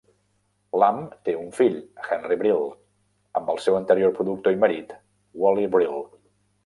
Lamb té un fill, Henry Brill, amb el seu anterior productor i marit, Wally Brill.